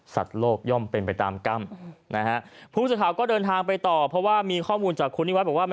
สัตว์โลกย่อมเป็นไปตามกรรมพุทธศาลก็เดินทางไปต่อเพราะว่ามีข้อมูลจากคุณนิวัฒน์บอกว่า